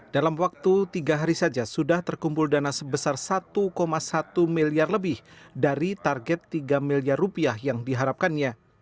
dalam waktu tiga hari saja sudah terkumpul dana sebesar satu satu miliar lebih dari target tiga miliar rupiah yang diharapkannya